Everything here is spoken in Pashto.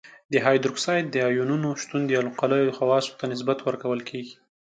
د هایدروکساید د آیونونو شتون د القلیو خواصو ته نسبت ورکول کیږي.